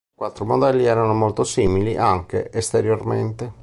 I quattro modelli erano molto simili anche esteriormente.